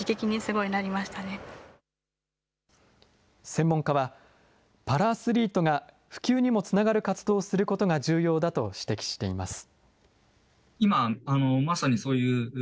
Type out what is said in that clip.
専門家は、パラアスリートが普及にもつながる活動をすることが重要だと指摘しています。